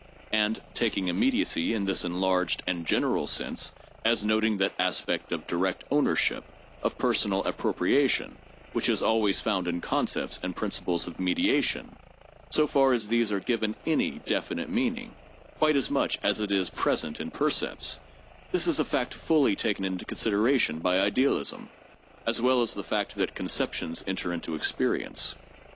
And, taking immediacy in this enlarged and general sense, as noting that aspect of direct ownership, of personal appropriation, which is always found in concepts and principles of mediation, so far as these are given any definite meaning, quite as much as it is present in percepts ŌĆö this is a fact fully taken into consideration by idealism, as well as the fact that 'conceptions enter into experience.'